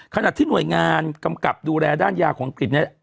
ขนาดที่หน่วยงานกำกับดูแลด้านยาของปริศนี้